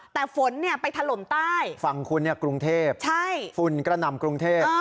แต่ฝนไปถล่มใต้ฝั่งคุณกรุงเทพฝุ่นกระหน่ำกรุงเทพ